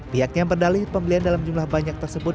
pihaknya berdalih pembelian dalam jumlah banyak tersebut